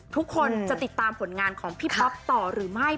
ทุกคนจะติดตามผลงานของพี่ป๊อปต่อหรือไม่